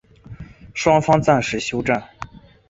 双方暂时休战。